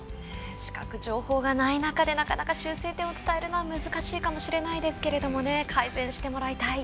視覚情報がない中でなかなか修正点を伝えるのは難しいかもしれないですけども改善してもらいたい。